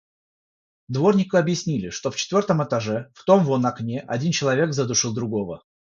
Дворнику объяснили, что в четвертом этаже, в том вон окне, один человек задушил другого.